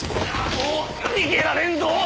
もう逃げられんぞ！